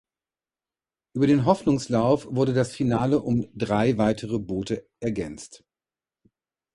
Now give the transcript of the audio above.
Über den Hoffnungslauf wurde das Finale um drei weitere Boote ergänzt.